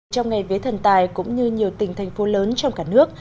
trong ngày vía thần tài cũng như nhiều tỉnh thành phố lớn trong cả nước